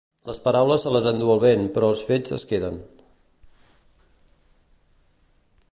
Les paraules se les endú el vent però els fets es queden